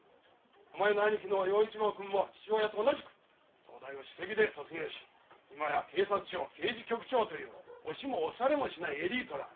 お前の兄貴の陽一郎くんも父親と同じく東大を首席で卒業し今や警察庁刑事局長という押しも押されもしないエリートだ。